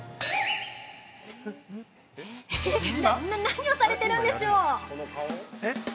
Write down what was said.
◆な・な・何をされてるんでしょう。